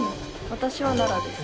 私は奈良です。